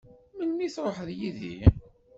Melmi i tṛuḥeḍ yid-i?